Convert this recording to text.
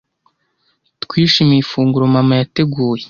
Twishimiye ifunguro mama yateguye.